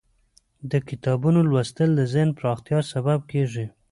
د کتابونو لوستل د ذهن پراختیا سبب کیږي.